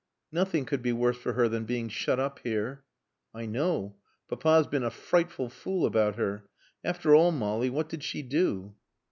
"Nothing could be worse for her than being shut up here." "I know. Papa's been a frightful fool about her. After all, Molly, what did she do?"